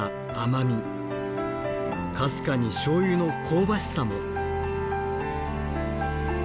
かすかにしょうゆの香ばしさも。